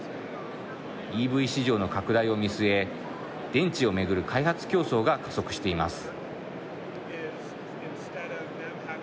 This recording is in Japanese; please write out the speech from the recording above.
ＥＶ市場の拡大を見据え電池を巡る開発競争が加速しています。